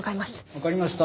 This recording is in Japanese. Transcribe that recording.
わかりました。